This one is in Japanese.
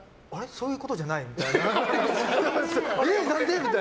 そういうことじゃないみたいな。